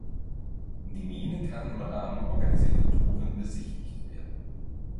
Die Mine kann im Rahmen organisierter Touren besichtigt werden.